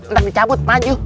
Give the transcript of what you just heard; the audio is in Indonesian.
entar dicabut maju